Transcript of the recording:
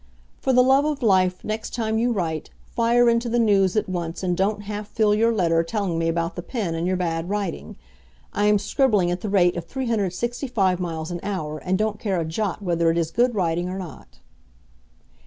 For the love of life, next time you write, fire into the news at once and don't half fill your letter telling me about the pen and your bad writing. I am scribbling at the rate of 365 miles an hour, and don't care a jot whether it is good writing or not.